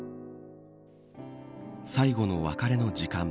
最後の別れの時間。